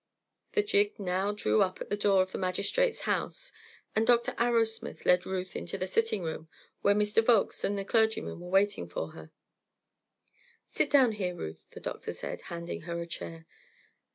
The gig now drew up at the door of the magistrate's house, and Dr. Arrowsmith led Ruth into the sitting room, where Mr. Volkes and the clergyman were awaiting her. "Sit down here, Ruth," the doctor said, handing her a chair.